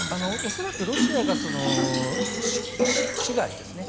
恐らくロシアが市街ですね。